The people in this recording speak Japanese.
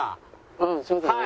うんそうだね。